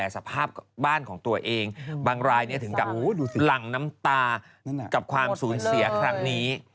สภาพบ้านของตัวเองบางรายถึงกับหลั่งน้ำตากับความสูญเสียครั้งนี้